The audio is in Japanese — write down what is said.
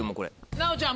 奈央ちゃん